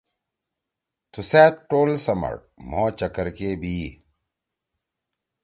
تُو سأت ٹول سمَڑ۔ مھو چکر کے بیئی۔